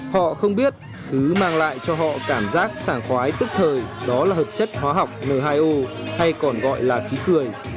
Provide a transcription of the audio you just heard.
họ không biết thứ mang lại cho họ cảm giác sảng khoái tức thời đó là hợp chất hóa học n hai o hay còn gọi là khí cười